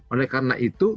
oleh karena itu